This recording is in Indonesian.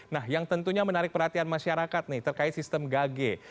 nah yang tentunya menarik perhatian masyarakat nih terkait sistem gage